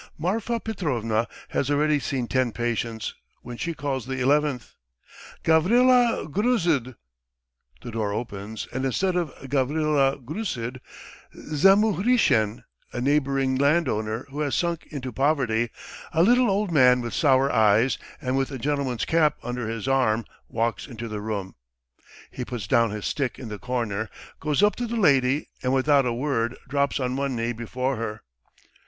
Marfa Petrovna has already seen ten patients when she calls the eleventh: "Gavrila Gruzd!" The door opens and instead of Gavrila Gruzd, Zamuhrishen, a neighbouring landowner who has sunk into poverty, a little old man with sour eyes, and with a gentleman's cap under his arm, walks into the room. He puts down his stick in the corner, goes up to the lady, and without a word drops on one knee before her.